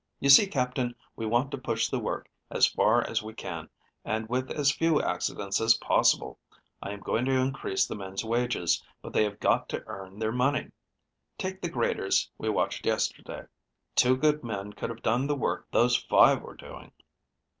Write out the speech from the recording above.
You see, Captain, we want to push the work as fast as we can, and with as few accidents as possible. I am going to increase the men's wages, but they have got to earn their money. Take the graders we watched yesterday. Two good men could have done the work those five were doing.